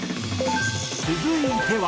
続いては。